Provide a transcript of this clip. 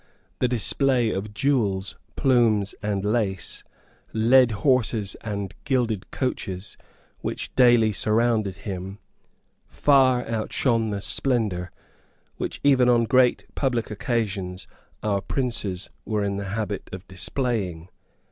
The display of jewels, plumes and lace, led horses and gilded coaches, which daily surrounded him, far outshone the splendour which, even on great public occasions, our princes were in the habit of displaying.